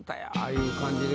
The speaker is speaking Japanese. いう感じで